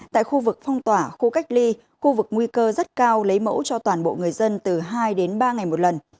tại khu vực phong tỏa khu cách ly khu vực nguy cơ rất cao lấy mẫu cho toàn bộ người dân từ hai đến ba ngày một lần